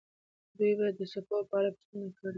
دوی به د څپو په اړه پوښتنه کړې وي.